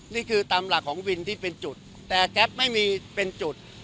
นี่คือตามหลักของวินที่เป็นจุดแต่แก๊ปไม่มีเป็นจุด